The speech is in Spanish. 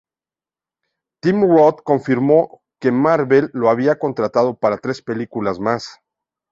Tim Roth confirmó que Marvel lo había contratado para tres películas más.